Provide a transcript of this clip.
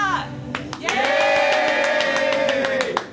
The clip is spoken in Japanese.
イエーイ！